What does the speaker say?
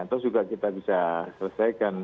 atau juga kita bisa selesaikan